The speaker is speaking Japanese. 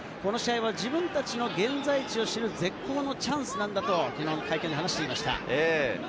この試合は自分たちの現在地を知る絶好のチャンスなんだと、昨日の会見で話していました。